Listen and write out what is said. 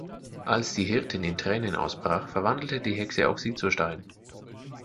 Als die Hirtin in Tränen ausbrach, verwandelte die Hexe auch sie zu Stein.